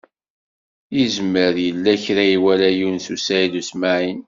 Izmer yella kra i iwala Yunes u Saɛid u Smaɛil.